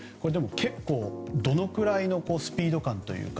どのくらいのスピード感というか。